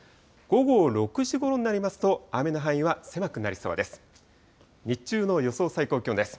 午後６時ごろになりますと、雨の範囲は狭くなりそうです。